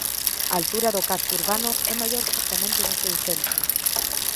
A altura do casco urbano é maior xustamente no seu centro.